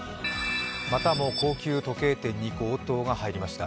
またも高級時計店に強盗が入りました。